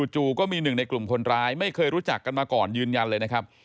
จู่ก็มีหนึ่งในกลุ่มคนร้ายไม่เคยรู้จักกันมาก่อนยืนยันเลยนะครับ